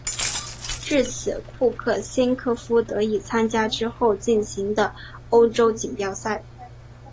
至此库克先科夫得以参加之后进行的欧洲锦标赛。